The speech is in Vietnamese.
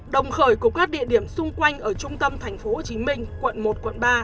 đồng khởi của các địa điểm xung quanh ở trung tâm thành phố hồ chí minh quận một quận ba